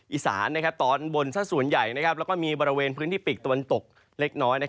อีสานบนสถาสุนใหญ่พื้นที่ปลิกตะวันตกเล็กน้อย